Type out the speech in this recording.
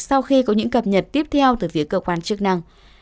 sau khi có những cập nhật tiếp theo từ phía cơ quan chức năng